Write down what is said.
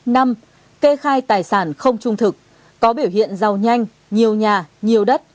năm kê khai tài sản không trung thực có biểu hiện giàu nhanh nhiều nhà nhiều đất